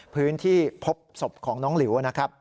พื้นที่พบศพของหนองหลิว